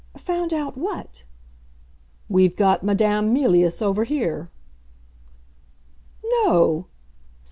"Found out what?" "We've got Madame Mealyus over here." "No!"